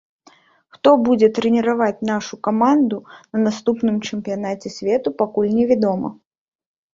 Хто будзе трэніраваць нашу каманду на наступным чэмпіянаце свету, пакуль невядома.